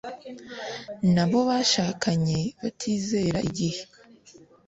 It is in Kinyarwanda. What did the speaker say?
n'abo bashakanye batizera igihe